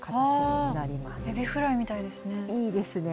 エビフライみたいですね。